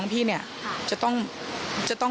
ปี๖๕วันเช่นเดียวกัน